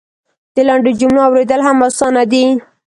د لنډو جملو اورېدل هم اسانه دی.